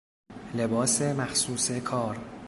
لباس مخصوص کار